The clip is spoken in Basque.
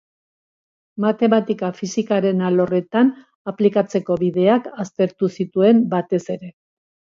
Matematika fisikaren alorretan aplikatzeko bideak aztertu zituen batez ere.